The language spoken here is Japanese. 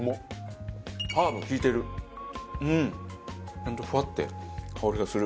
ちゃんとふわって香りがする。